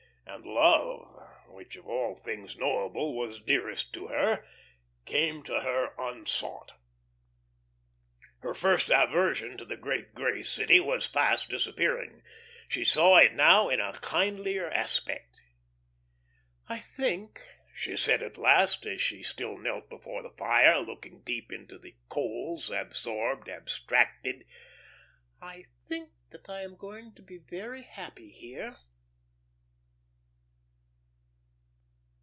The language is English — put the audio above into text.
And love, which of all things knowable was dearest to her, came to her unsought. Her first aversion to the Great Grey City was fast disappearing. She saw it now in a kindlier aspect. "I think," she said at last, as she still knelt before the fire, looking deep into the coals, absorbed, abstracted, "I think that I am going to be very happy here."